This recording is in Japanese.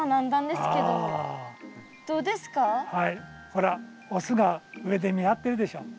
ほらオスが上で見張ってるでしょ。